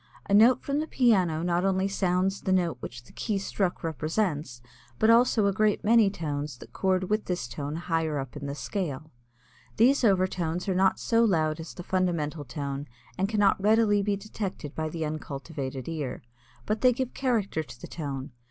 A note from the piano not only sounds the note which the key struck represents, but also a great many tones that chord with this tone higher up the scale. These overtones are not so loud as the fundamental tone and cannot readily be detected by the uncultivated ear. But they give character to the tone.